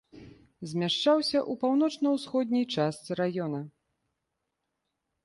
Змяшчаўся ў паўночна-ўсходняй частцы раёна.